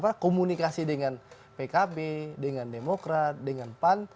apa komunikasi dengan pkb dengan demokrat dengan pan